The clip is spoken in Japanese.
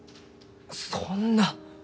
そんな！？